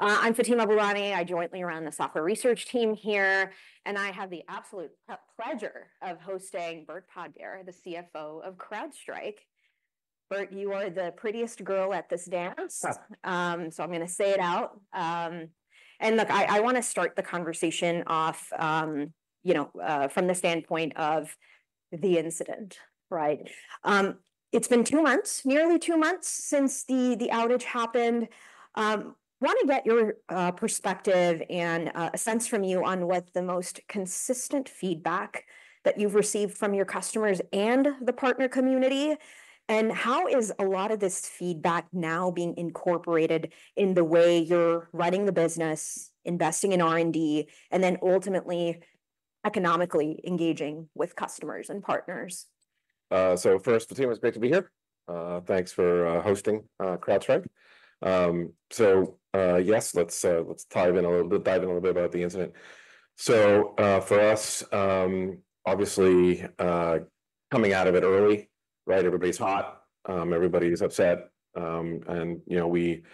I'm Fatima Boolani. I jointly run the software research team here, and I have the absolute pleasure of hosting Burt Podbere, the CFO of CrowdStrike. Burt, you are the prettiest girl at this dance. So I'm gonna say it out. And look, I wanna start the conversation off, you know, from the standpoint of the incident, right? It's been two months, nearly two months since the outage happened. Wanna get your perspective and a sense from you on what the most consistent feedback that you've received from your customers and the partner community, and how is a lot of this feedback now being incorporated in the way you're running the business, investing in R&D, and then ultimately, economically engaging with customers and partners? So first, Fatima, it's great to be here. Thanks for hosting CrowdStrike. So yes, let's dive in a little bit about the incident. So for us, obviously coming out of it early, right, everybody's hot, everybody's upset. And you know, we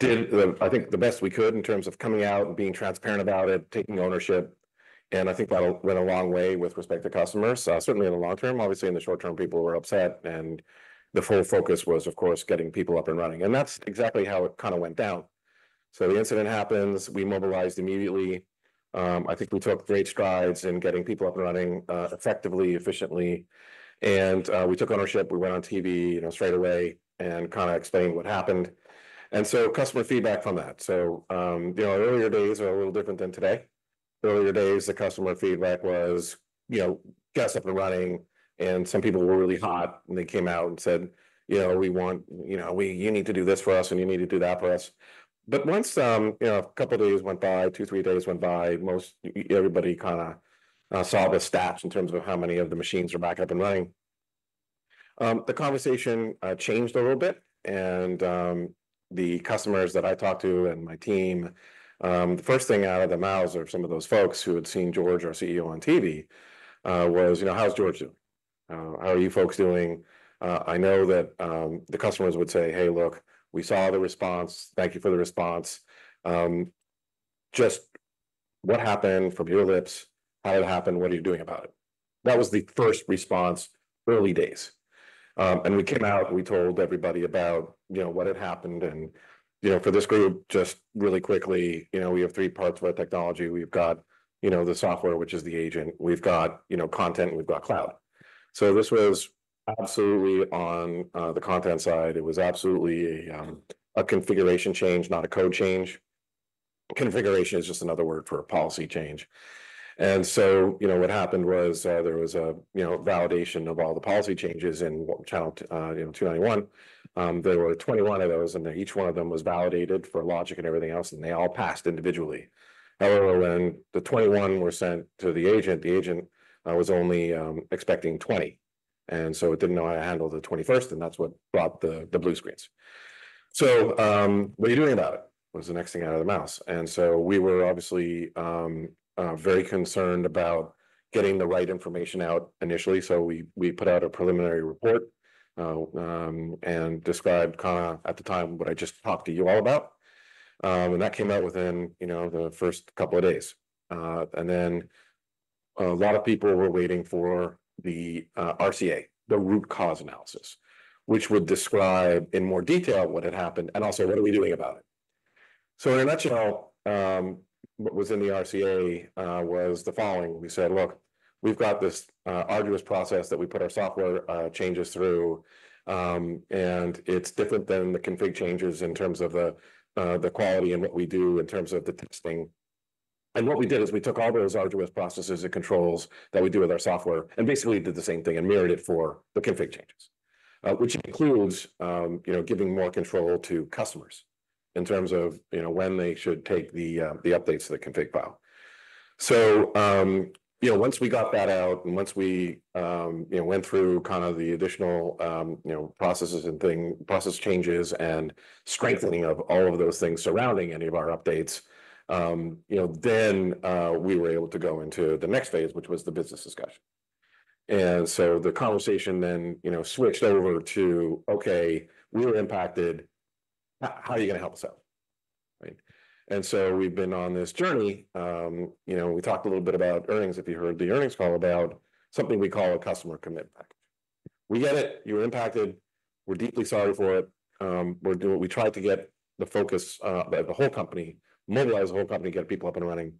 did, I think, the best we could in terms of coming out and being transparent about it, taking ownership, and I think that went a long way with respect to customers, certainly in the long term. Obviously, in the short term, people were upset, and the full focus was, of course, getting people up and running, and that's exactly how it kinda went down. So the incident happens, we mobilized immediately. I think we took great strides in getting people up and running, effectively, efficiently, and we took ownership. We went on TV, you know, straight away and kinda explained what happened, and so customer feedback from that, so you know, our earlier days are a little different than today. Earlier days, the customer feedback was, you know, get us up and running, and some people were really hot, and they came out and said: "You know, we want... You know, we, you need to do this for us, and you need to do that for us." But once, you know, a couple of days went by, two, three days went by, most everybody kinda saw the stats in terms of how many of the machines were back up and running. The conversation changed a little bit, and the customers that I talked to, and my team, the first thing out of the mouths of some of those folks who had seen George, our CEO, on TV, was, "You know, how's George doing? How are you folks doing?" I know that the customers would say: "Hey, look, we saw the response. Thank you for the response. Just what happened from your lips, how it happened, what are you doing about it?" That was the first response, early days, and we came out, and we told everybody about, you know, what had happened, and you know, for this group, just really quickly, you know, we have three parts to our technology. We've got, you know, the software, which is the agent. We've got, you know, content, and we've got cloud. So this was absolutely on the content side. It was absolutely a configuration change, not a code change. Configuration is just another word for a policy change. And so, you know, what happened was, there was a, you know, validation of all the policy changes in Channel 291. There were 21 of those, and each one of them was validated for logic and everything else, and they all passed individually. However, when the 21 were sent to the agent, the agent was only expecting 20, and so it didn't know how to handle the 21st, and that's what brought the blue screens. "So, what are you doing about it?" was the next thing out of the mouths. And so we were obviously very concerned about getting the right information out initially, so we put out a preliminary report and described kinda, at the time, what I just talked to you all about. And that came out within, you know, the first couple of days. And then a lot of people were waiting for the RCA, the root cause analysis, which would describe in more detail what had happened and also what are we doing about it. So in a nutshell, what was in the RCA was the following: We said, "Look, we've got this arduous process that we put our software changes through, and it's different than the config changes in terms of the quality and what we do in terms of the testing." And what we did is we took all those arduous processes and controls that we do with our software and basically did the same thing and mirrored it for the config changes, which includes you know, giving more control to customers in terms of you know, when they should take the updates to the config file. So, you know, once we got that out and once we, you know, went through kinda the additional, you know, processes and things, process changes and strengthening of all of those things surrounding any of our updates, you know, then, we were able to go into the next phase, which was the business discussion. And so the conversation then, you know, switched over to: "Okay, we were impacted. How are you gonna help us out?" Right? And so we've been on this journey, you know, we talked a little bit about earnings, if you heard the earnings call, about something we call a Customer Commitment Package. We get it. You were impacted. We're deeply sorry for it. We're doing. We tried to get the focus, the whole company, mobilize the whole company to get people up and running.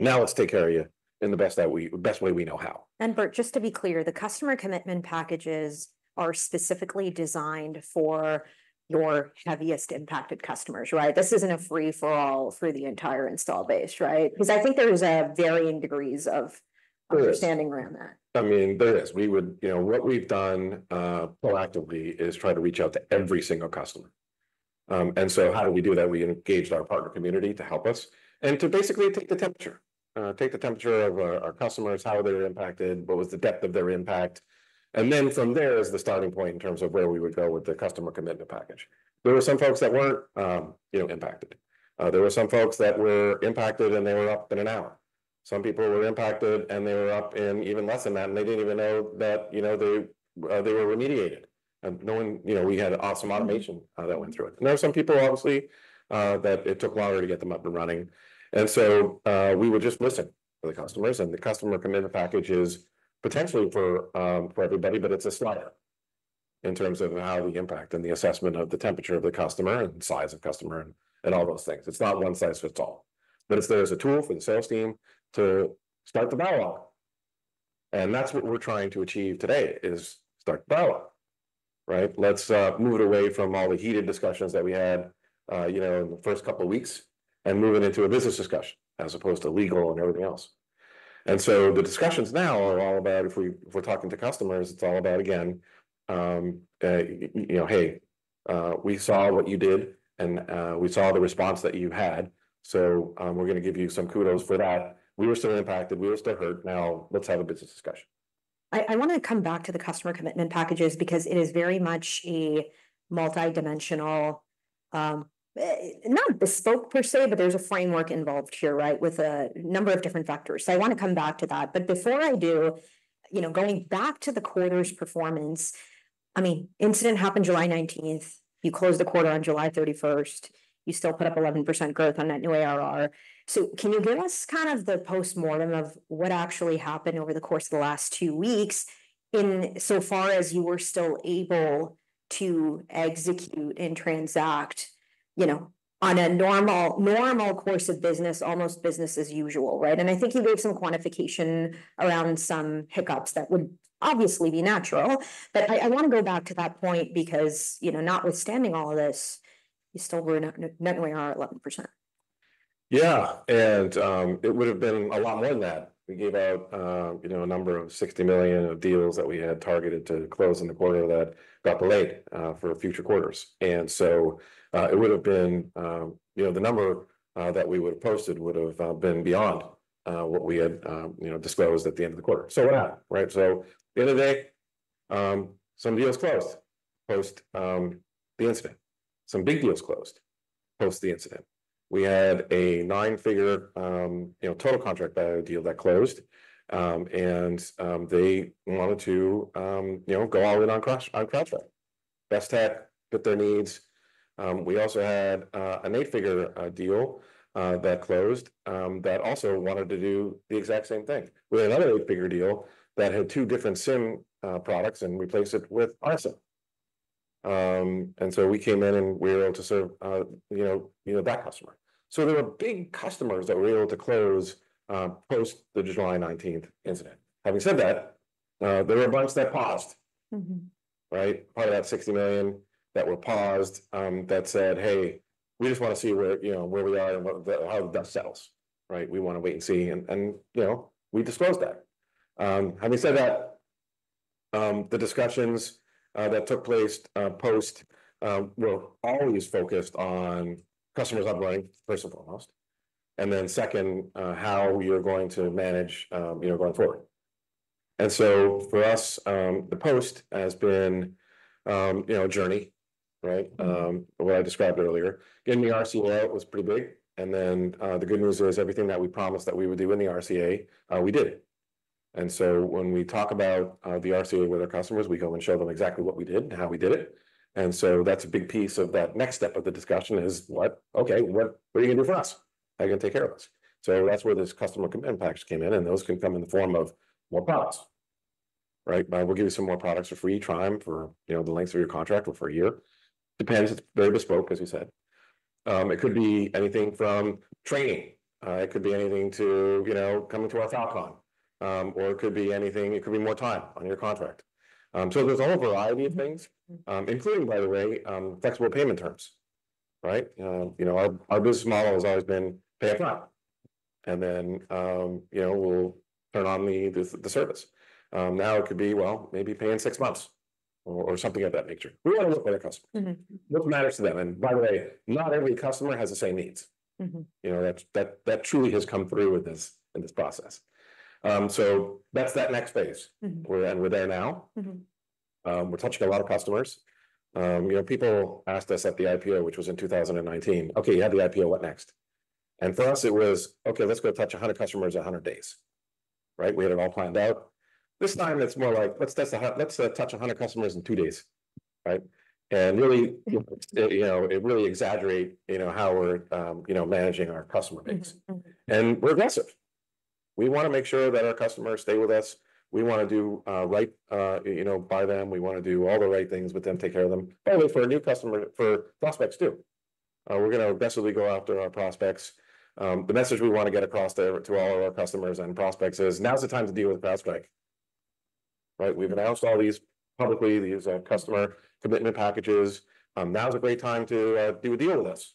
Now, let's take care of you in the best way we know how. Burt, just to be clear, the Customer Commitment Package are specifically designed for your heaviest impacted customers, right? This isn't a free-for-all for the entire install base, right? Cause I think there was a varying degrees of understanding around that. I mean, there is. You know, what we've done proactively is try to reach out to every single customer. And so how do we do that? We engaged our partner community to help us and to basically take the temperature of our customers, how they were impacted, what was the depth of their impact, and then from there is the starting point in terms of where we would go with the Customer Commitment Package.. There were some folks that weren't, you know, impacted. There were some folks that were impacted, and they were up in an hour. Some people were impacted, and they were up in even less than that, and they didn't even know that, you know, they were remediated, knowing, you know, we had awesome automation that went through it. And there were some people obviously that it took longer to get them up and running. And so we were just listening to the customers, and the Customer Commitment Package is potentially for everybody, but it's a slider in terms of how we impact and the assessment of the temperature of the customer and size of customer and all those things. It's not one size fits all, but it's there as a tool for the sales team to start the dialogue. And that's what we're trying to achieve today, is start the dialogue, right? Let's move it away from all the heated discussions that we had, you know, in the first couple of weeks, and move it into a business discussion, as opposed to legal and everything else. And so the discussions now are all about if we, if we're talking to customers, it's all about again, you know, "Hey, we saw what you did, and, we saw the response that you had, so, we're gonna give you some kudos for that. We were still impacted. We were still hurt. Now let's have a business discussion. I wanna come back to the Customer Commitment Packages because it is very much a multidimensional, not bespoke per se, but there's a framework involved here, right, with a number of different factors. So I wanna come back to that. But before I do, you know, going back to the quarter's performance, I mean, incident happened July 19th. You closed the quarter on July 31st. You still put up 11% growth on net new ARR. So can you give us kind of the postmortem of what actually happened over the course of the last two weeks in so far as you were still able to execute and transact, you know, on a normal course of business, almost business as usual, right? I think you gave some quantification around some hiccups that would obviously be natural, but I wanna go back to that point because, you know, notwithstanding all of this, you still grew net new ARR at 11%. Yeah, and, it would've been a lot more than that. We gave out, you know, a number of $60 million of deals that we had targeted to close in the quarter that got delayed, for future quarters. And so, it would've been... You know, the number, that we would've posted would've, been beyond, what we had, you know, disclosed at the end of the quarter. So what happened, right? So at the end of the day, some deals closed post, the incident. Some big deals closed post the incident. We had a nine-figure, you know, total contract value deal that closed. And, they wanted to, you know, go all in on CrowdStrike. Best stack fit their needs. We also had an eight-figure deal that closed that also wanted to do the exact same thing. We had another eight-figure deal that had two different SIEM products and replaced it with our SIEM. And so we came in, and we were able to serve you know, you know, that customer. So there were big customers that we were able to close post the July 19th incident. Having said that, there were a bunch that paused. Right? Part of that $60 million that were paused, that said, "Hey, we just wanna see where, you know, where we are and what the, how the dust settles," right? "We wanna wait and see." And, and, you know, we disclosed that. Having said that, the discussions that took place post were always focused on customers first, first and foremost, and then second, how we are going to manage, you know, going forward. And so for us, the post has been, you know, a journey, right? What I described earlier. Getting the RCA out was pretty big, and then, the good news was everything that we promised that we would do in the RCA, we did it. And so when we talk about the RCA with our customers, we go and show them exactly what we did and how we did it. And so that's a big piece of that next step of the discussion is what? Okay, what are you gonna do for us? How are you gonna take care of us? So that's where those Customer Commitment Packages came in, and those can come in the form of more products, right? We'll give you some more products for free trial, for, you know, the length of your contract or for a year. Depends, it's very bespoke, as you said. It could be anything from training. It could be anything to, you know, coming to our Fal.Con. Or it could be anything. It could be more time on your contract. So there's a whole variety of things-... including, by the way, flexible payment terms, right? You know, our business model has always been pay up front, and then, you know, we'll turn on the service. Now it could be, well, maybe pay in six months or something of that nature. We wanna work with our customer what matters to them, and by the way, not every customer has the same needs. You know, that's that truly has come through with this, in this process. So that's that next phase. We're, and we're there now. We're touching a lot of customers. You know, people asked us at the IPO, which was in 2019, "Okay, you had the IPO, what next?" And for us, it was, "Okay, let's go touch a hundred customers in a hundred days," right? We had it all planned out. This time, it's more like, "Let's touch a hundred customers in two days," right? And really, you know, it really exaggerate, you know, how we're, you know, managing our customer base. We're aggressive. We wanna make sure that our customers stay with us. We wanna do right, you know, by them. We wanna do all the right things with them, take care of them. By the way, for a new customer, for prospects too, we're gonna aggressively go after our prospects. The message we wanna get across to all of our customers and prospects is, now's the time to deal with CrowdStrike, right? We've announced all these publicly, Customer Commitment Packages. Now's a great time to do a deal with us....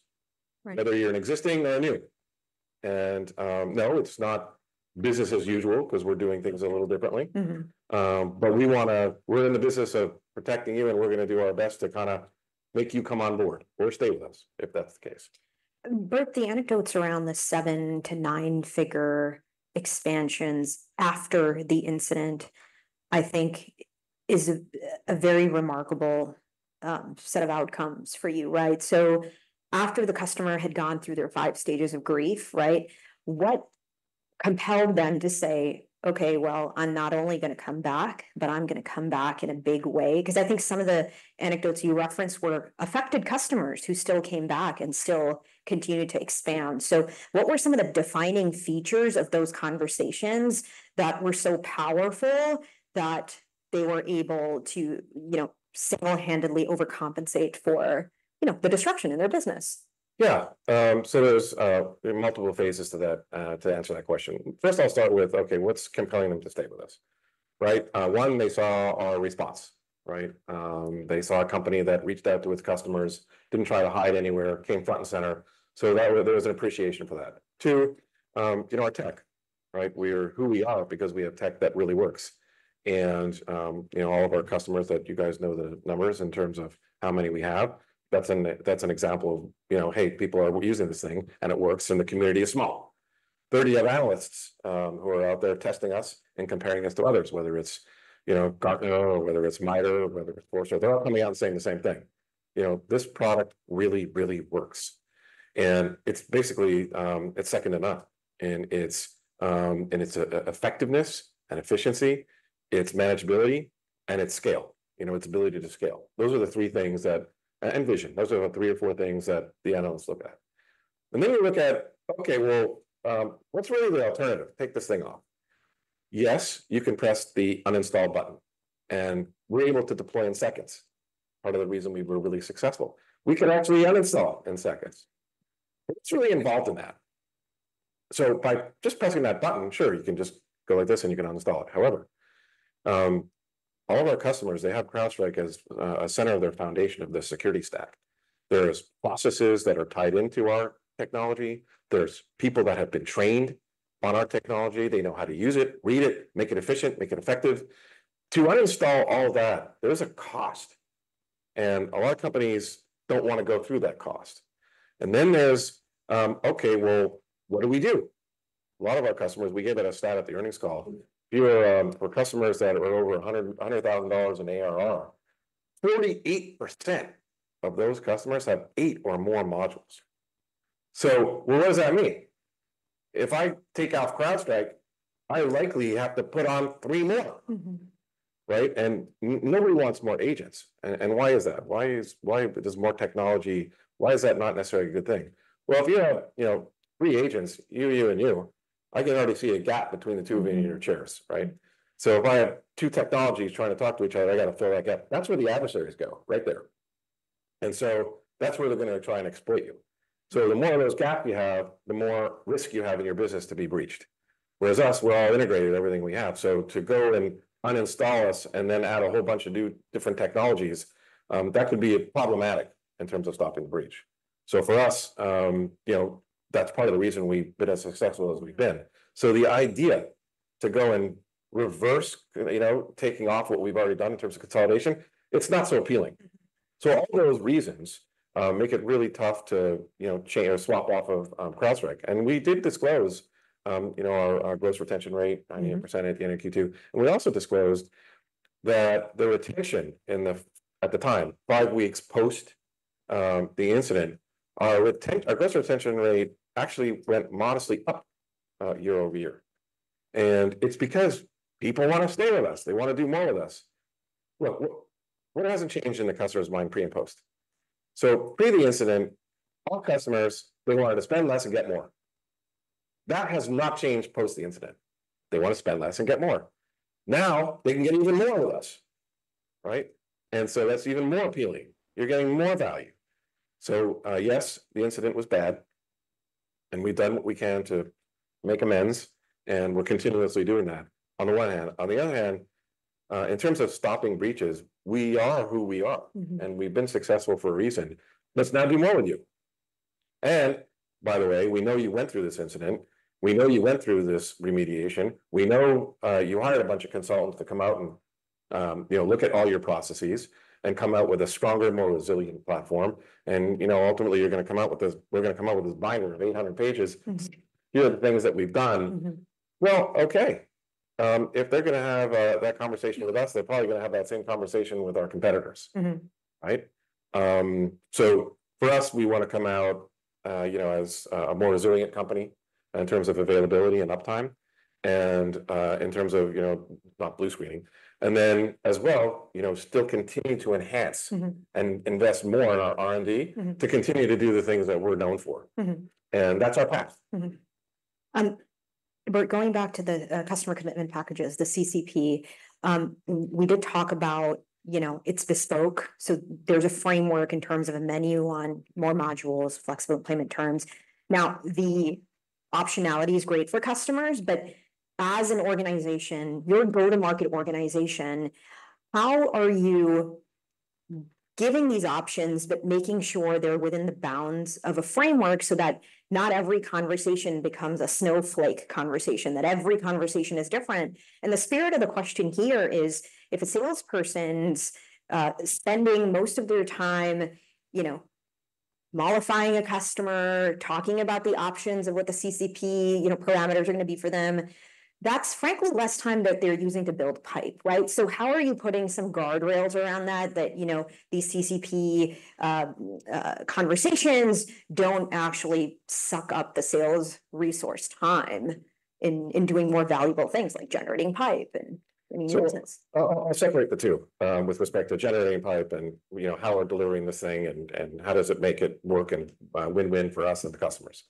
whether you're an existing or new. And, no, it's not business as usual, 'cause we're doing things a little differently. But we wanna... We're in the business of protecting you, and we're gonna do our best to kind of make you come on board or stay with us, if that's the case. Burt, the anecdotes around the seven- to nine-figure expansions after the incident is a very remarkable set of outcomes for you, right? So after the customer had gone through their five stages of grief, right, what compelled them to say, "Okay, well, I'm not only gonna come back, but I'm gonna come back in a big way?" 'Cause I think some of the anecdotes you referenced were affected customers who still came back and still continued to expand. So what were some of the defining features of those conversations that were so powerful that they were able to, you know, single-handedly overcompensate for, you know, the disruption in their business? Yeah. So there's multiple phases to that to answer that question. First, I'll start with, okay, what's compelling them to stay with us, right? One, they saw our response, right? They saw a company that reached out to its customers, didn't try to hide anywhere, came front and center, so that there was an appreciation for that. Two, you know, our tech, right? We're who we are because we have tech that really works. And, you know, all of our customers that you guys know the numbers in terms of how many we have, that's an example of, you know, hey, people are using this thing and it works, and the community is small. Thirty of our analysts who are out there testing us and comparing us to others, whether it's, you know, Gartner, or whether it's MITRE, whether it's Forrester, they're all coming out and saying the same thing: "You know, this product really, really works." And it's basically, it's second to none in its effectiveness and efficiency, its manageability, and its scale, you know, its ability to scale. Those are the three things that... and vision. Those are the three or four things that the analysts look at. And then we look at, okay, well, what's really the alternative to take this thing off? Yes, you can press the uninstall button, and we're able to deploy in seconds. Part of the reason we were really successful, we can actually uninstall it in seconds. What's really involved in that? So by just pressing that button, sure, you can just go like this, and you can uninstall it. However, all of our customers, they have CrowdStrike as a center of their foundation of their security stack. There's processes that are tied into our technology. There's people that are trained on our technology. They know how to use it, read it, make it efficient, make it effective. To uninstall all of that, there is a cost, and a lot of companies don't want to go through that cost. And then there's, okay, well, what do we do? A lot of our customers, we gave it a stat at the earnings call. If you were customers that were over $100,000 in ARR, 38% of those customers have eight or more modules. So what does that mean? If I take off CrowdStrike, I likely have to put on three more right? And nobody wants more agents. And why is that? Why does more technology, why is that not necessarily a good thing? Well, if you have, you know, three agents, you, you, and you, I can already see a gap between the two of you in your chairs, right? So if I have two technologies trying to talk to each other, I got to fill that gap. That's where the adversaries go, right there. And so that's where they're gonna try and exploit you. So the more of those gap you have, the more risk you have in your business to be breached. Whereas us, we're all integrated, everything we have. So to go and uninstall us and then add a whole bunch of new, different technologies, that could be problematic in terms of stopping the breach. So for us, you know, that's part of the reason we've been as successful as we've been. So the idea to go and reverse, you know, taking off what we've already done in terms of consolidation, it's not so appealing. So all those reasons make it really tough to, you know, or swap off of CrowdStrike. And we did disclose, you know, our gross retention rate 98% at the end of Q2, and we also disclosed that the retention in the, at the time, five weeks post, the incident, our our gross retention rate actually went modestly up, year over year. And it's because people want to stay with us. They want to do more with us. Look, what, what hasn't changed in the customer's mind pre and post? So pre the incident, all customers, they wanted to spend less and get more. That has not changed post the incident. They want to spend less and get more. Now, they can get even more with us, right? And so that's even more appealing. You're getting more value. So, yes, the incident was bad, and we've done what we can to make amends, and we're continuously doing that, on the one hand. On the other hand, in terms of stopping breaches, we are who we are and we've been successful for a reason. Let's now do more with you. And by the way, we know you went through this incident. We know you went through this remediation. We know you hired a bunch of consultants to come out and, you know, look at all your processes and come out with a stronger, more resilient platform. And, you know, ultimately, you're gonna come out with this- we're gonna come out with this binder of eight hundred pages. Here are the things that we've done. Okay, if they're gonna have that conversation with us, they're probably gonna have that same conversation with our competitors. Right? So for us, we want to come out, you know, as a more resilient company in terms of availability and uptime and, in terms of, you know, not blue screening. And then as well, you know, still continue to enhance and invest more in our R&D to continue to do the things that we're known for. That's our path. But going back to the Customer Commitment Packages, the CCP, we did talk about, you know, it's bespoke, so there's a framework in terms of a menu on more modules, flexible payment terms. Now, the optionality is great for customers, but as an organization, your go-to-market organization, how are you giving these options but making sure they're within the bounds of a framework so that not every conversation becomes a snowflake conversation, that every conversation is different? And the spirit of the question here is, if a salesperson's spending most of their time, you know, mollifying a customer, talking about the options of what the CCP, you know, parameters are gonna be for them, that's frankly less time that they're using to build pipe, right? So how are you putting some guardrails around that, you know, these CCP conversations don't actually suck up the sales resource time in doing more valuable things like generating pipe and any more things? So I separate the two with respect to generating pipe and, you know, how we're delivering this thing and how does it make it work and win-win for us and the customers.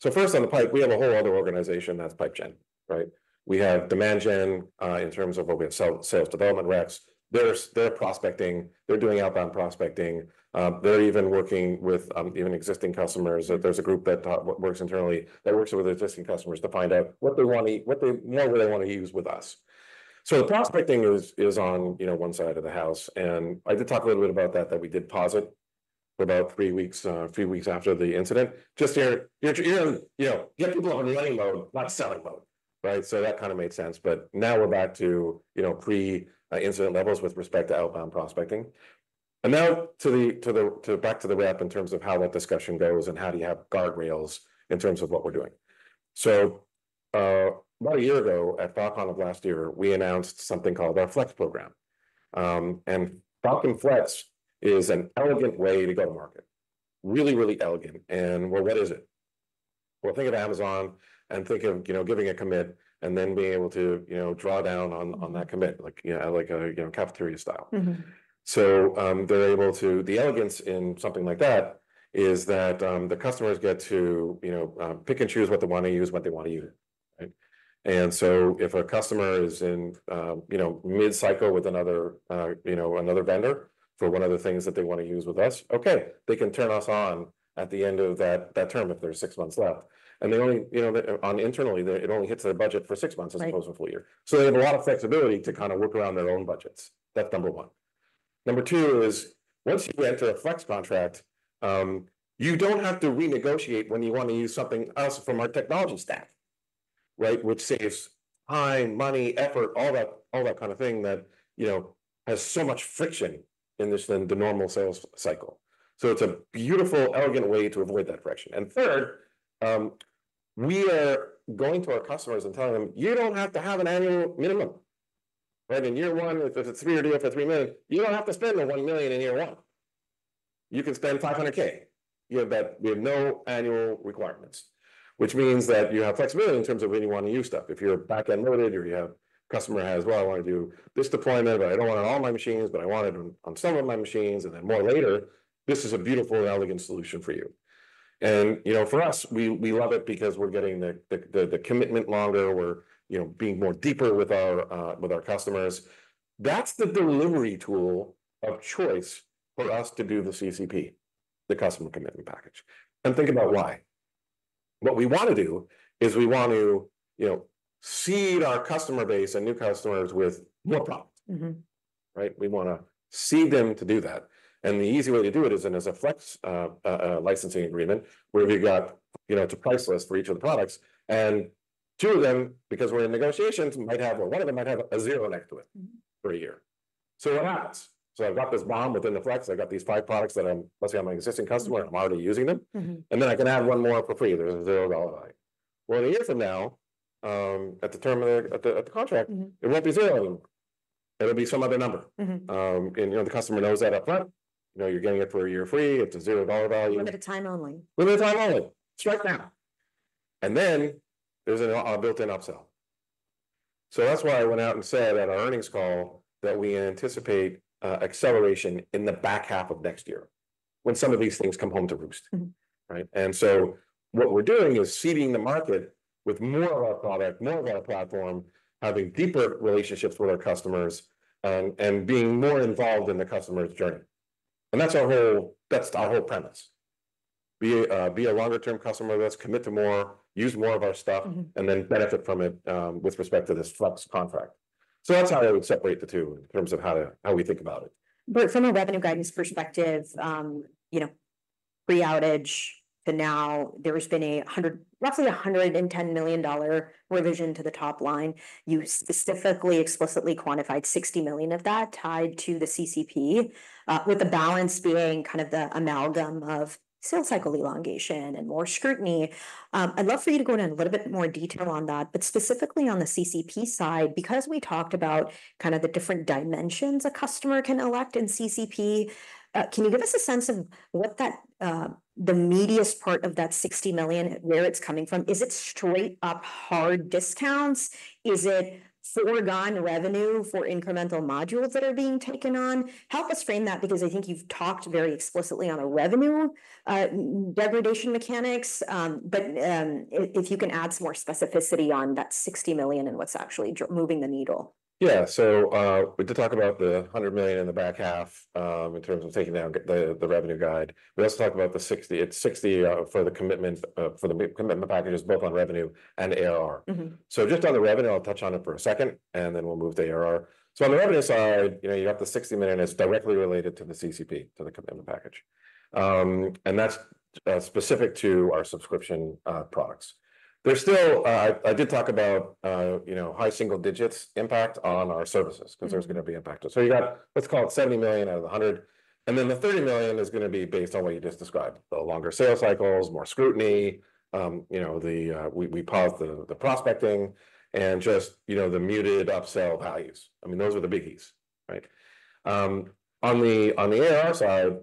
So first, on the pipe, we have a whole other organization that's pipe gen, right? We have demand gen in terms of what we have sales development reps. They're prospecting. They're doing outbound prospecting. They're even working with even existing customers. There's a group that works internally, that works with existing customers to find out what they want to what they, you know, what they want to use with us. So the prospecting is on, you know, one side of the house, and I did talk a little bit about that we did pause it for about three weeks after the incident, just to, you know, get people in running mode, not selling mode, right? That kind of made sense. Now we're back to, you know, pre-incident levels with respect to outbound prospecting. And now back to the rep in terms of how that discussion goes and how do you have guardrails in terms of what we're doing. About a year ago, at Fal.Con Fusion last year, we announced something called our Flex program. And Falcon Flex is an elegant way to go-to-market. Really, really elegant, and well, what is it Think of Amazon and think of, you know, giving a commit and then being able to, you know, draw down on that commit, like, you know, like a, you know, cafeteria style. The elegance in something like that is that, the customers get to, you know, pick and choose what they want to use, when they want to use it, right? And so if a customer is in, you know, mid-cycle with another, you know, another vendor for one of the things that they want to use with us, okay, they can turn us on at the end of that term, if there's six months left. And they only, you know, internally, it only hits their budget for six months.... as opposed to a full year. So they have a lot of flexibility to kind of work around their own budgets. That's number one. Number two is, once you enter a Flex contract, you don't have to renegotiate when you want to use something else from our technology stack, right? Which saves time, money, effort, all that, all that kind of thing that, you know, has so much friction in this than the normal sales cycle. So it's a beautiful, elegant way to avoid that friction. And third, we are going to our customers and telling them, "You don't have to have an annual minimum," right? In year one, if it's a three-year deal for $3 million, you don't have to spend the $1 million in year one. You can spend $500,000. You have that... We have no annual requirements, which means that you have flexibility in terms of when you want to use stuff. If you're back-end loaded or the customer has, "Well, I want to do this deployment, but I don't want it on all my machines, but I want it on some of my machines and then more later," this is a beautiful, elegant solution for you, and you know, for us, we love it because we're getting the commitment longer. You know, we're being more deeper with our customers. That's the delivery tool of choice for us to do the CCP, the Customer Commitment Package, and think about why. What we want to do is we want to, you know, seed our customer base and new customers with more product. Right? We wanna see them to do that, and the easy way to do it is in a Flex licensing agreement, where we've got, you know, it's a price list for each of the products, and two of them, because we're in negotiations, might have or one of them might have a zero next to it. for a year. So it adds. So I've got this BOM within the Flex. I've got these five products that I'm layering on my existing customer. I'm already using them. And then I can add one more for free. There's a $0 value. Well, a year from now, at the term of the contract, it won't be zero. It'll be some other number. You know, the customer knows that up front. You know, you're getting it for a year free. It's a $0 value. Limited time only. Limited time only! Then, there's a built-in upsell. So that's why I went out and said at our earnings call that we anticipate acceleration in the back half of next year when some of these things come home to roost. Right? And so what we're doing is seeding the market with more of our product, more of our platform, having deeper relationships with our customers, and being more involved in the customer's journey, and that's our whole premise. Be a longer-term customer with us, commit to more, use more of our stuff and then benefit from it, with respect to this Flex contract. So that's how I would separate the two in terms of how we think about it. But from a revenue guidance perspective, you know, pre-outage to now, there's been roughly $110 million dollar revision to the top line. You specifically explicitly quantified $60 million of that tied to the CCP, with the balance being kind of the amalgam of sales cycle elongation and more scrutiny. I'd love for you to go into a little bit more detail on that, but specifically on the CCP side, because we talked about kind of the different dimensions a customer can elect in CCP. Can you give us a sense of what that, the meatiest part of that $60 million, where it's coming from? Is it straight-up hard discounts? Is it foregone revenue for incremental modules that are being taken on? Help us frame that, because I think you've talked very explicitly on the revenue degradation mechanics, but if you can add some more specificity on that sixty million and what's actually moving the needle. Yeah. We did talk about the $100 million in the back half, in terms of taking down the revenue guide, but let's talk about the $60 million. It's $60 million for the commitment packages, both on revenue and ARR. So just on the revenue, I'll touch on it for a second, and then we'll move to ARR. On the revenue side, you know, you have the $60 million, and it's directly related to the CCP, to the commitment package. And that's specific to our subscription products. There's still I did talk about, you know, high single digits impact on our services cause there's gonna be impact. So you got, let's call it $70 million out of the $100 million, and then the $30 million is gonna be based on what you just described, the longer sales cycles, more scrutiny, you know, we paused the prospecting and just, you know, the muted upsell values. I mean, those are the biggies.... Right. On the ARR side,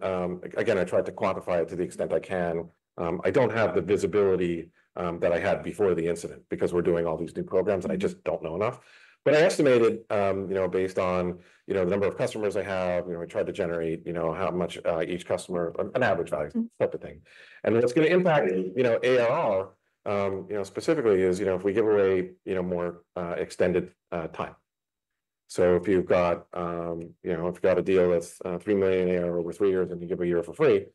again, I tried to quantify it to the extent I can. I don't have the visibility that I had before the incident, because we're doing all these new programs, and I just don't know enough. But I estimated, you know, based on the number of customers I have, you know, I tried to generate, you know, how much each customer, an average value type of thing, and it's gonna impact, you know, ARR, you know, specifically is, you know, if we give away, you know, more extended time. So if you've got a deal that's $3 million ARR over three years, and you give a year for free,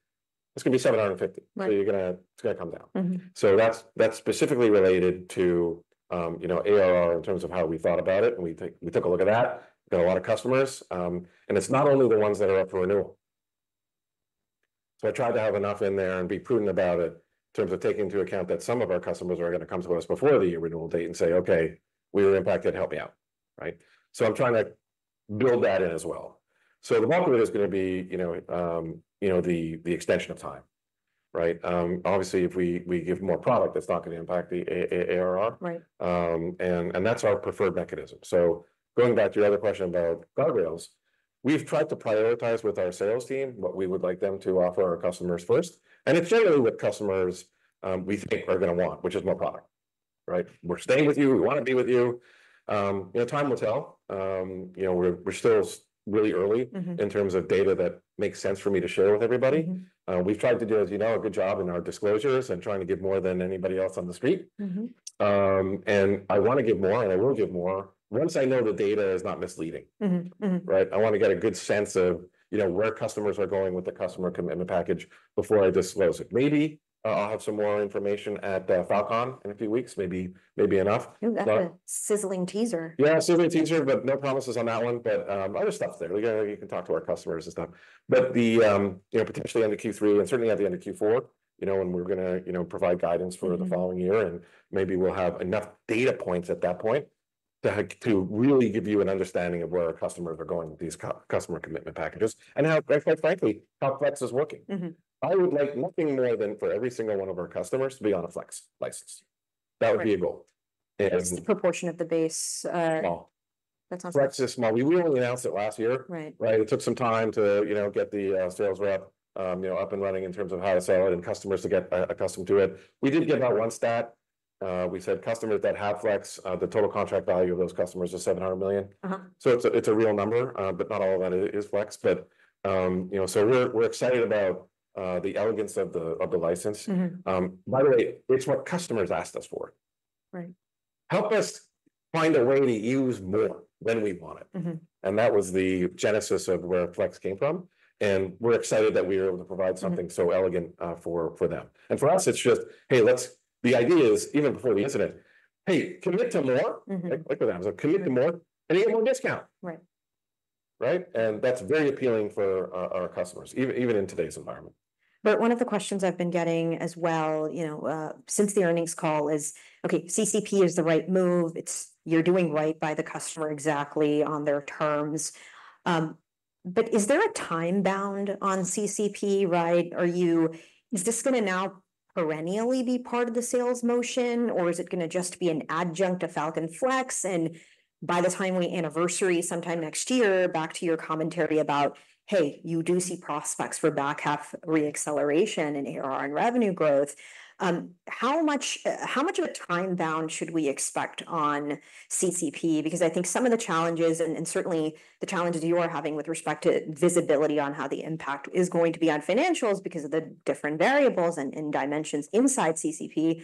it's gonna be $750,000. So, you're gonna... It's gonna come down. So that's specifically related to, you know, ARR in terms of how we thought about it, and we took a look at that. Got a lot of customers, and it's not only the ones that are up for renewal. So I tried to have enough in there and be prudent about it in terms of taking into account that some of our customers are gonna come to us before the year renewal date and say: "Okay, we were impacted. Help me out." Right? So I'm trying to build that in as well. So the bulk of it is gonna be, you know, you know, the extension of time, right? Obviously, if we give more product, that's not gonna impact the ARR. and that's our preferred mechanism. So going back to your other question about guardrails, we've tried to prioritize with our sales team what we would like them to offer our customers first, and it's generally what customers, we think are gonna want, which is more product, right? "We're staying with you. We want to be with you." You know, time will tell. You know, we're still reall early in terms of data that makes sense for me to share with everybody. We've tried to do, as you know, a good job in our disclosures and trying to give more than anybody else on the street. And I want to give more, and I will give more once I know the data is not misleading. Right? I want to get a good sense of, you know, where customers are going with the Customer Commitment Package before I disclose it. Maybe, I'll have some more information at Fal.Con in a few weeks, maybe, maybe enough, but- Ooh, that's a sizzling teaser. Yeah, a sizzling teaser, but no promises on that one. But other stuff there. We're gonna. You can talk to our customers this time. But the, you know, potentially end of Q3, and certainly at the end of Q4, you know, when we're gonna, you know, provide guidance for the following year, and maybe we'll have enough data points at that point to really give you an understanding of where our customers are going with these Customer Commitment Packages and how, quite frankly, how Flex is working. I would like nothing more than for every single one of our customers to be on a Flex license. That would be a goal, and- What's the proportion of the base? Small. That's on Flex. Flex is small. We only announced it last year. It took some time to, you know, get the sales rep, you know, up and running in terms of how to sell it and customers to get accustomed to it. We did give out one stat. We said, "Customers that have Flex, the total contract value of those customers is $700 million." So it's a, it's a real number, but not all of that is Flex. But you know, so we're excited about the elegance of the license. By the way, it's what customers asked us for. Help us find a way to use more than we bought it. And that was the genesis of where Flex came from, and we're excited that we were able to provide something so elegant, for them. And for us, it's just, "Hey, let's..." The idea is, even before the incident: "Hey, commit to more "I like where that was." "Commit to more, and you get more discount." Right? And that's very appealing for our customers, even in today's environment. But one of the questions I've been getting as well, you know, since the earnings call is: Okay, CCP is the right move. It's, you're doing right by the customer exactly on their terms. But is there a time bound on CCP, right? Are you-- Is this gonna now perennially be part of the sales motion, or is it gonna just be an adjunct to Falcon Flex? And by the time we anniversary sometime next year, back to your commentary about, "Hey, you do see prospects for back-half re-acceleration in ARR and revenue growth," how much, how much of a time bound should we expect on CCP? Because I think some of the challenges and certainly the challenges you are having with respect to visibility on how the impact is going to be on financials because of the different variables and dimensions inside CCP,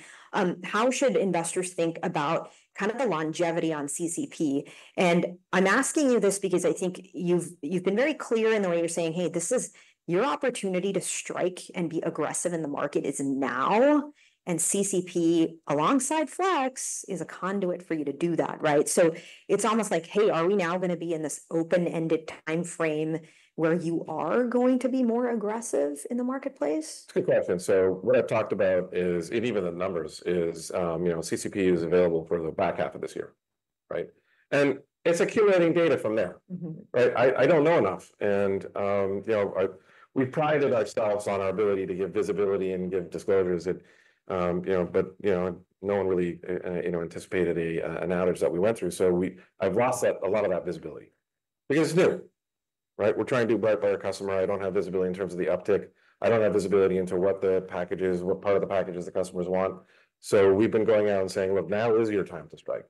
how should investors think about kind of the longevity on CCP? And I'm asking you this because I think you've been very clear in the way you're saying: Hey, this is your opportunity to strike and be aggressive in the market is now, and CCP, alongside Flex, is a conduit for you to do that, right? So it's almost like: Hey, are we now gonna be in this open-ended timeframe where you are going to be more aggressive in the marketplace? Good question. So what I've talked about is, and even the numbers, is, you know, CCP is available for the back half of this year, right? And it's accumulating data from there. But I don't know enough, and you know, I, we've prided ourselves on our ability to give visibility and give disclosures that you know. But you know, no one really you know anticipated an outage that we went through. So I've lost that, a lot of that visibility because it's new, right? We're trying to do right by our customer. I don't have visibility in terms of the uptick. I don't have visibility into what the packages, what part of the packages the customers want. So we've been going out and saying: "Look, now is your time to strike,"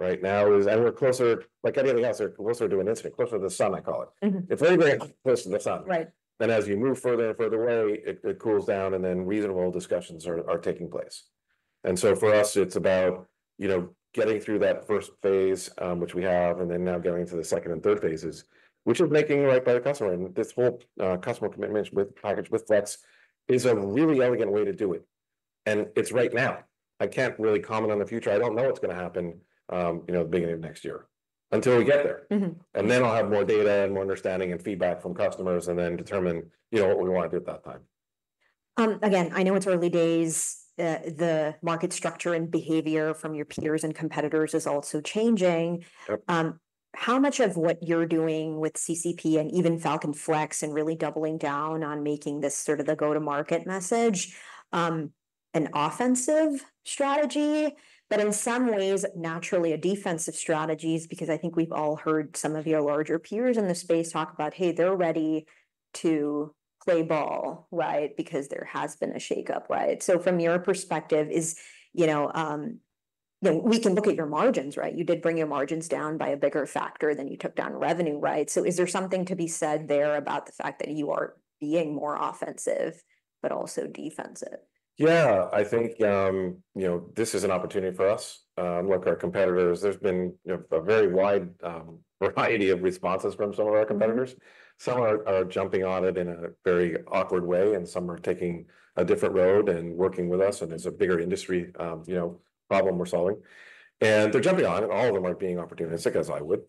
right? Now is, and we're closer, like anything else, we're closer to an incident, closer to the sun, I call it. It's very close to the sun. Then, as you move further and further away, it cools down, and then reasonable discussions are taking place. And so for us, it's about, you know, getting through that first phase, which we have, and then now going into the second and third phases, which is making it right by the customer. And this whole, Customer Commitment Package with Flex, is a really elegant way to do it, and it's right now. I can't really comment on the future. I don't know what's gonna happen, you know, at the beginning of next year until we get there and then I'll have more data and more understanding and feedback from customers and then determine, you know, what we want to do at that time. Again, I know it's early days. The market structure and behavior from your peers and competitors is also changing. How much of what you're doing with CCP and even Falcon Flex and really doubling down on making this sort of the go-to-market message, an offensive strategy, but in some ways, naturally, a defensive strategy is because I think we've all heard some of your larger peers in the space talk about, hey, they're ready to play ball, right? Because there has been a shakeup, right? So from your perspective is, you know, you know, we can look at your margins, right? You did bring your margins down by a bigger factor than you took down revenue, right? So is there something to be said there about the fact that you are being more offensive but also defensive? Yeah, I think, you know, this is an opportunity for us, and look, our competitors, there's been, you know, a very wide, variety of responses from some of our competitors. Some are jumping on it in a very awkward way, and some are taking a different road and working with us, and there's a bigger industry, you know, problem we're solving, and they're jumping on, and all of them are being opportunistic, as I would.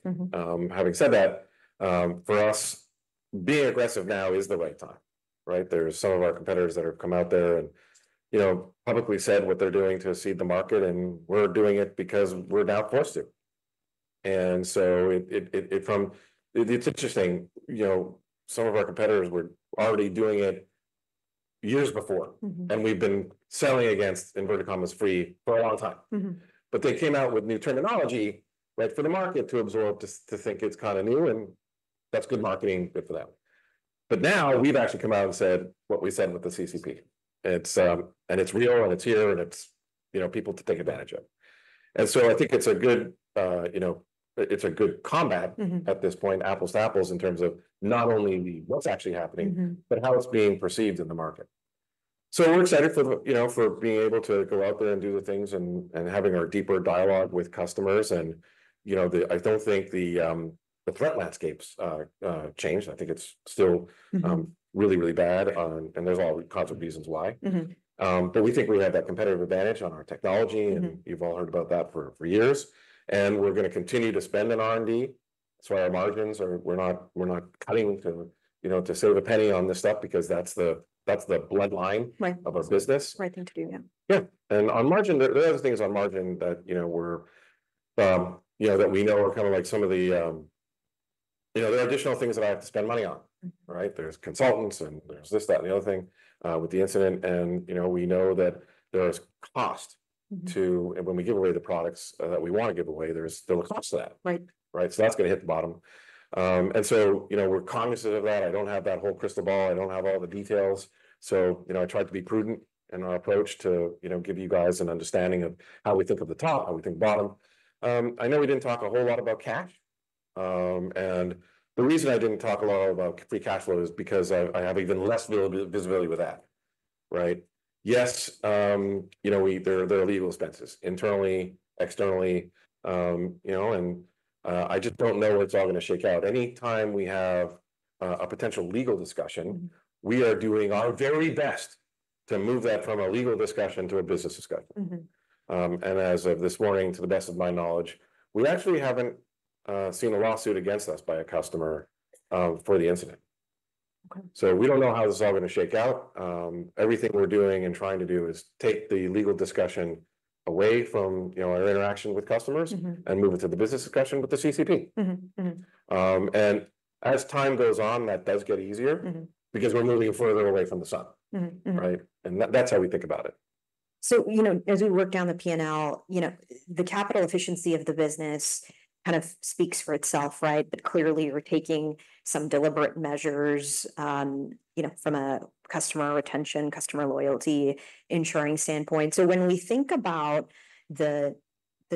Having said that, for us, being aggressive now is the right time, right? There are some of our competitors that have come out there and, you know, publicly said what they're doing to cede the market, and we're doing it because we're now forced to. It's interesting, you know, some of our competitors were already doing it years before We've been selling against, inverted commas, "free" for a long time. But they came out with new terminology, right, for the market to absorb, to think it's kind of new, and that's good marketing, good for them. But now we've actually come out and said what we said with the CCP, and it's, and it's real, and it's here, and it's, you know, people to take advantage of. And so I think it's a good, you know, it's a good combat at this point, apples to apples, in terms of not only what's actually happening but how it's being perceived in the market. So we're excited for, you know, for being able to go out there and do the things and having our deeper dialogue with customers. And, you know, I don't think the threat landscape's changed. I think it's still really, really bad, and there's all kinds of reasons why. But we think we have that competitive advantage on our technology and you've all heard about that for years. And we're going to continue to spend in R&D, so our margins are. We're not cutting to, you know, to save a penny on this stuff because that's the bloodline of our business. Right thing to do. Yeah. And on margin, there are things on margin that, you know, we're, you know, that we know are kind of like some of the... You know, there are additional things that I have to spend money on, right? There's consultants, and there's this, that, and the other thing with the incident. And, you know, we know that there is cost to and when we give away the products that we want to give away, there's a cost to that. So that's going to hit the bottom. And so, you know, we're cognizant of that. I don't have that whole crystal ball. I don't have all the details. So, you know, I tried to be prudent in our approach to, you know, give you guys an understanding of how we think of the top, how we think bottom. I know we didn't talk a whole lot about cash, and the reason I didn't talk a lot about free cash flow is because I have even less visibility with that, right? Yes, you know, we, there are legal expenses internally, externally, you know, and I just don't know where it's all going to shake out. Any time we have a potential legal discussion we are doing our very best to move that from a legal discussion to a business discussion. And as of this morning, to the best of my knowledge, we actually haven't seen a lawsuit against us by a customer for the incident. So we don't know how this is all going to shake out. Everything we're doing and trying to do is take the legal discussion away from, you know, our interaction with customers and move it to the business discussion with the CCP, and as time goes on, that does get easier because we're moving further away from the sun. Right? And that's how we think about it. So, you know, as we work down the P&L, you know, the capital efficiency of the business kind of speaks for itself, right? But clearly, we're taking some deliberate measures, you know, from a customer retention, customer loyalty ensuring standpoint. So when we think about the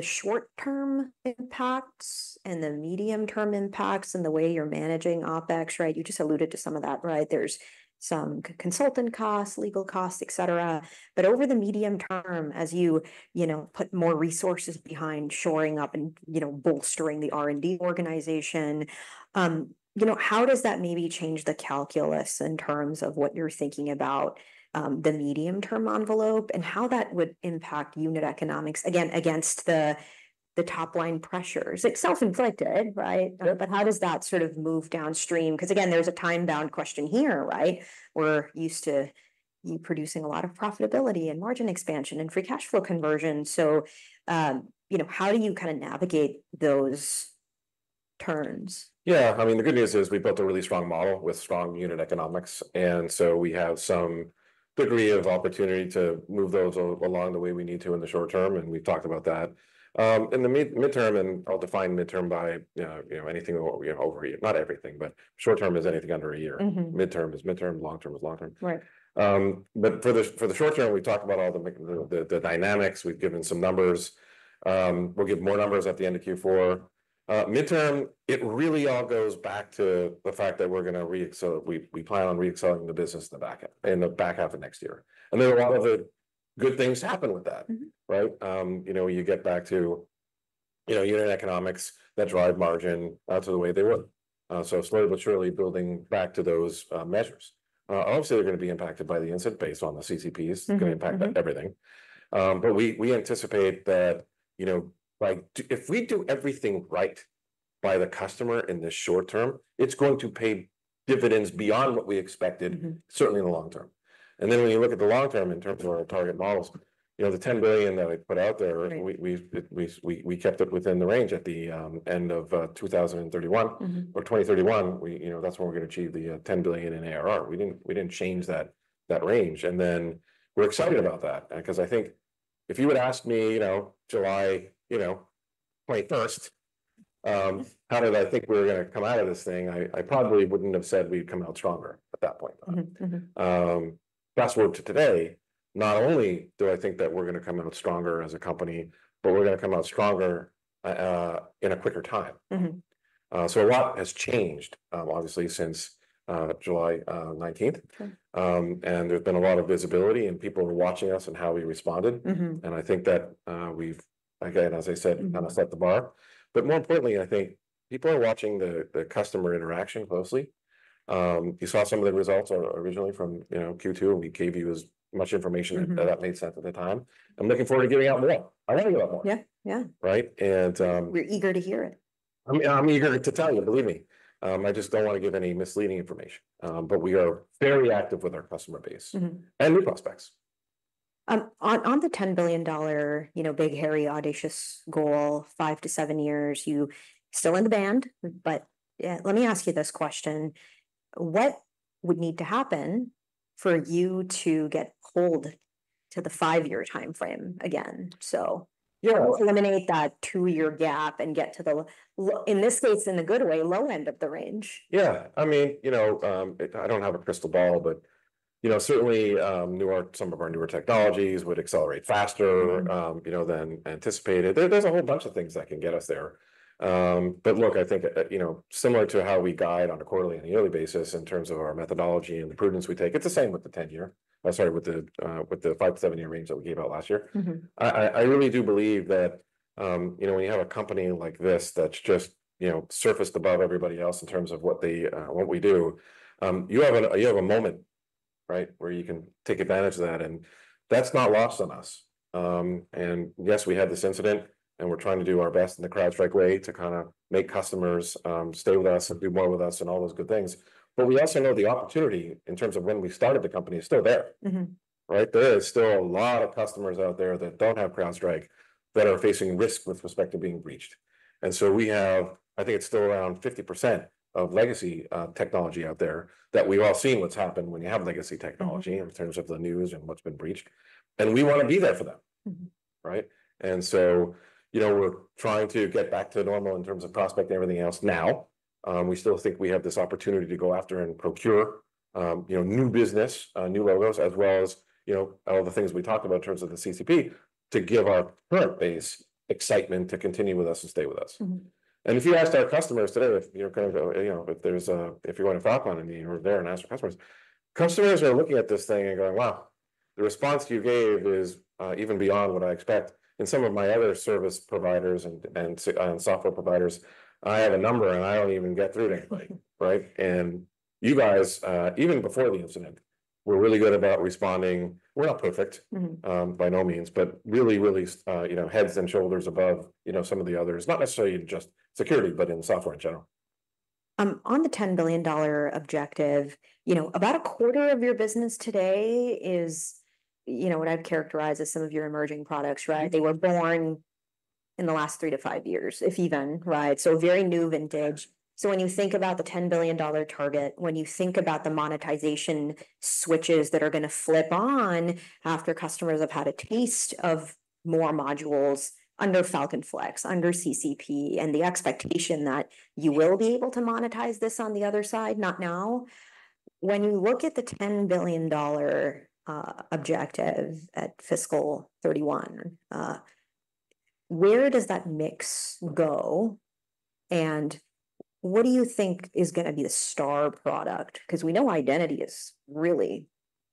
short-term impacts and the medium-term impacts and the way you're managing OpEx, right? You just alluded to some of that, right. There's some consultant costs, legal costs, et cetera. But over the medium term, as you you know put more resources behind shoring up and, you know, bolstering the R&D organization, you know, how does that maybe change the calculus in terms of what you're thinking about, the medium-term envelope and how that would impact unit economics, again, against the top-line pressures? It's self-inflicted, right? But how does that sort of move downstream? Because, again, there's a time-bound question here, right? We're used to you producing a lot of profitability and margin expansion and free cash flow conversion. So, you know, how do you kind of navigate those turns? Yeah, I mean, the good news is we built a really strong model with strong unit economics, and so we have some degree of opportunity to move those along the way we need to in the short term, and we've talked about that. In the midterm, and I'll define midterm by, you know, anything over a year. Not everything, but short term is anything under a year. Midterm is midterm, long term is long term. But for the short term, we've talked about all the dynamics. We've given some numbers. We'll give more numbers at the end of Q4. Midterm, it really all goes back to the fact that we're going to reaccelerate. We plan on reaccelerating the business in the back half of next year. And then a lot of other good things happen with that. Right? You know, you get back to, you know, unit economics that drive margin to the way they were, so slowly but surely building back to those measures. Obviously, they're going to be impacted by the incident based on the CCPs- It's going to impact everything. But we anticipate that, you know, like, if we do everything right by the customer in the short term, it's going to pay dividends beyond what we expected certainly in the long term. And then, when you look at the long term in terms of our target models... You know, the ten billion that I put out there we kept it within the range at the end of 2031. Or 2031, you know, that's when we're gonna achieve the 10 billion in ARR. We didn't change that range, and then we're excited about that. 'Cause I think if you were to ask me, you know, July 21, how did I think we were gonna come out of this thing? I probably wouldn't have said we'd come out stronger at that point. Fast-forward to today, not only do I think that we're gonna come out stronger as a company, but we're gonna come out stronger in a quicker time. So a lot has changed, obviously, since July 19th. And there's been a lot of visibility, and people are watching us and how we responded. And I think that, we've, again, as I said kind of set the bar. But more importantly, I think people are watching the customer interaction closely. You saw some of the results or originally from, you know, Q2, and we gave you as much information that made sense at the time. I'm looking forward to giving out more. I want to give out more. Right? And- We're eager to hear it. I'm eager to tell you, believe me. I just don't want to give any misleading information. But we are very active with our customer base and new prospects. On the $10 billion, you know, big, hairy, audacious goal, five-to-seven years, you still in the band. But, let me ask you this question, what would need to happen for you to get pulled to the five-year timeframe again? To eliminate that two-year gap and get to the low... In this case, in a good way low end of the range. Yeah. I mean, you know, it. I don't have a crystal ball but, you know, certainly, newer, some of our newer technologies would accelerate faster you know, than anticipated. There, there's a whole bunch of things that can get us there. But look, I think, you know, similar to how we guide on a quarterly and a yearly basis in terms of our methodology and the prudence we take, it's the same with the ten-year. Sorry, with the five-to-seven-year range that we gave out last year. I really do believe that, you know, when you have a company like this that's just, you know, surfaced above everybody else in terms of what we do, you have a moment, right? Where you can take advantage of that, and that's not lost on us, and yes, we had this incident, and we're trying to do our best in the CrowdStrike way to kind of make customers stay with us and do more with us and all those good things, but we also know the opportunity in terms of when we started the company is still there. Right? There is still a lot of customers out there that don't have CrowdStrike, that are facing risk with respect to being breached, and so we have... I think it's still around 50% of legacy technology out there, that we've all seen what's happened when you have legacy technology in terms of the news and what's been breached, and we want to be there for them. Right? And so, you know, we're trying to get back to normal in terms of prospects and everything else now. We still think we have this opportunity to go after and procure, you know, new business, new logos, as well as, you know, all the things we talked about in terms of the CCP, to give our current base excitement to continue with us and stay with us. If you went to Falcon and you were there and asked our customers, customers are looking at this thing and going, "Wow, the response you gave is even beyond what I expect. And some of my other service providers and software providers, I have a number, and I don't even get through to anybody. Right? And you guys, even before the incident, were really good about responding. We're not perfect by no means, but really, really, you know, heads and shoulders above, you know, some of the others. Not necessarily in just security, but in software in general. On the $10 billion objective, you know, about a quarter of your business today is, you know, what I've characterized as some of your emerging products, right? They were born in the last three to five years, if even, right? So very new vintage So when you think about the $10 billion target, when you think about the monetization switches that are gonna flip on after customers have had a taste of more modules under Falcon Flex, under CCP, and the expectation that you will be able to monetize this on the other side, not now. When you look at the $10 billion objective at fiscal 2031, where does that mix go, and what do you think is gonna be the star product? 'Cause we know Identity is really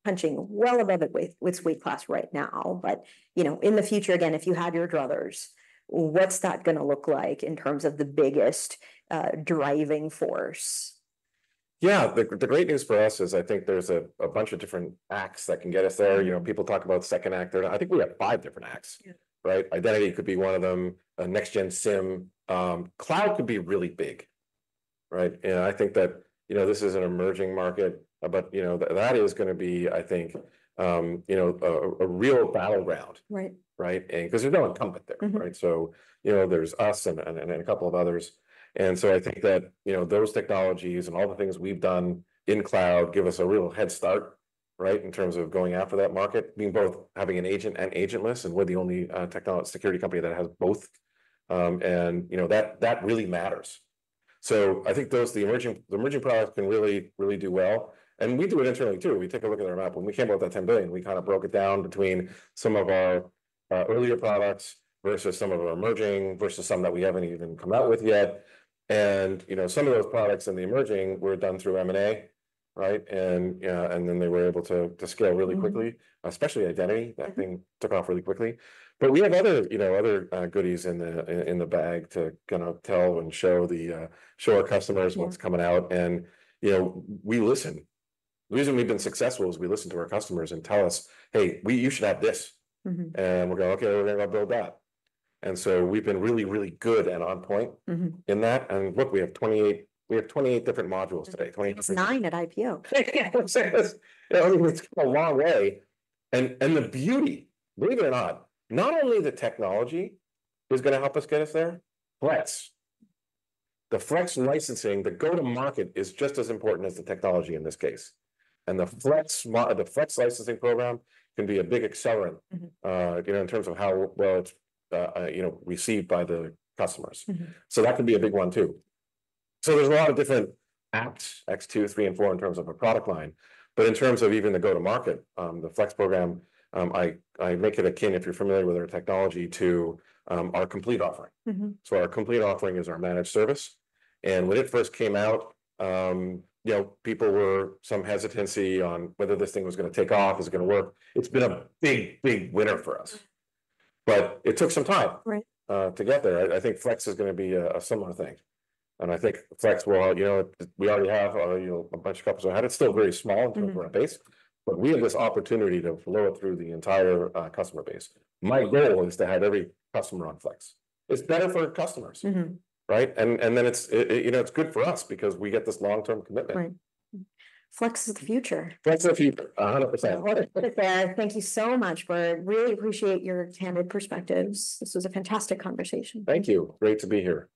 punching well above its weight, its weight class right now. But, you know, in the future, again, if you had your druthers, what's that gonna look like in terms of the biggest driving force? Yeah. The great news for us is I think there's a bunch of different acts that can get us there. You know, people talk about second act. I think we have five different acts. Right? Identity could be one of them, a next-gen SIEM. Cloud could be really big, right? And I think that, you know, this is an emerging market, but, you know, that, that is gonna be, I think, you know, a real battleground. Right? And 'cause there's no incumbent there. So, you know, there's us and a couple of others. And so I think that, you know, those technologies and all the things we've done in cloud give us a real head start, right, in terms of going after that market, being both having an agent and agentless, and we're the only technology security company that has both. And you know, that really matters. So I think those emerging products can really, really do well, and we do it internally, too. We take a look at our map. When we came up with that $10 billion, we kind of broke it down between some of our earlier products versus some of our emerging, versus some that we haven't even come out with yet. And, you know, some of those products in the emerging were done through M&A, right? And then they were able to scale really quickly especially Identity. That thing took off really quickly. But we have other, you know, other goodies in the bag to kind of tell and show our customers what's coming out, and, you know, we listen. The reason we've been successful is we listen to our customers and tell us, "Hey, we... You should have this." We're going: "Okay, we're gonna build that." And so we've been really, really good and on point. in that. And look, we have 28 different modules today. Twenty- It was nine at IPO. I mean, it's come a long way. And, and the beauty, believe it or not, not only the technology is gonna help us get us there, but the Flex licensing, the go-to-market, is just as important as the technology in this case. And the Flex licensing program can be a big accelerant you know, in terms of how well it's, you know, received by the customers. So that can be a big one, too. So there's a lot of different acts, acts two, three, and four, in terms of a product line. But in terms of even the go-to-market, the Flex program, I make it akin, if you're familiar with our technology, to our Complete offering. So our Complete offering is our managed service, and when it first came out, you know, people were some hesitancy on whether this thing was gonna take off, is it gonna work? It's been a big, big winner for us. But it took some time to get there. I think Flex is gonna be a similar thing, and I think Flex will, you know, we already have, you know, a bunch of customers ahead. It's still very small in terms of our base, but we have this opportunity to flow it through the entire, customer base. My goal is to have every customer on Flex. It's better for customers. Right? And then it's, you know, it's good for us because we get this long-term commitment. Right. Flex is the future. Flex is the future, 100%. Thank you so much, Burt. Really appreciate your candid perspectives. This was a fantastic conversation. Thank you. Great to be here.